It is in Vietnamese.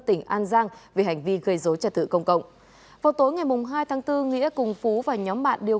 tỉnh an giang về hành vi gây dối trả thự công cộng vào tối ngày hai bốn nghĩa cùng phú và nhóm bạn điều